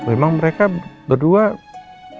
emang mereka berdua ini dekat